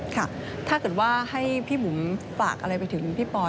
ถ้าเกิดว่าให้พี่บุ๋มฝากอะไรไปถึงพี่ปอย